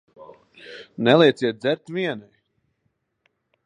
Nelieciet dzert vienai.